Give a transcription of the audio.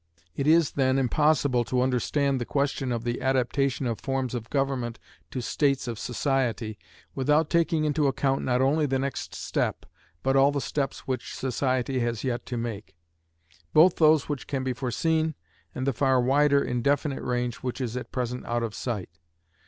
It is, then, impossible to understand the question of the adaptation of forms of government to states of society, without taking into account not only the next step, but all the steps which society has yet to make; both those which can be foreseen, and the far wider indefinite range which is at present out of sight.